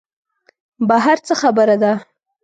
بهر څه خبره ده.